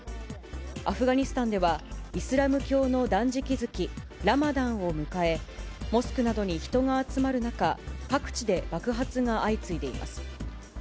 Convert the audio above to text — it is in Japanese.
アフガニスタンでは、イスラム教の断食月、ラマダンを迎え、モスクなどに人が集まる中、各地で爆発が相次いでいます。